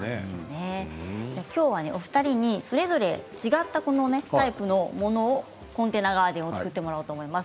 お二人にそれぞれ違ったタイプのものコンテナガーデンを作ってもらおうと思います。